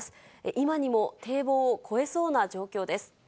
今にも堤防を越えそうな状況です。